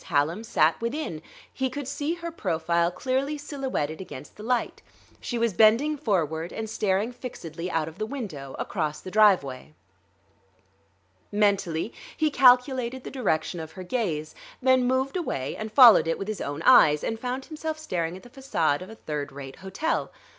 Hallam sat within. He could see her profile clearly silhouetted against the light; she was bending forward and staring fixedly out of the window, across the driveway. Mentally he calculated the direction of her gaze, then, moved away and followed it with his own eyes; and found himself staring at the façade of a third rate hotel.